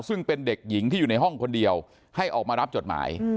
ซึ่งเป็นเด็กหญิงที่อยู่ในห้องคนเดียวให้ออกมารับจดหมาย